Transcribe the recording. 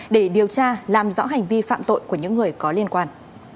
để điều tra làm rõ hành vi phạm tội của những người có liên quan